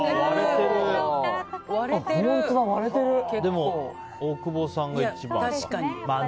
でも、大久保さんが一番か。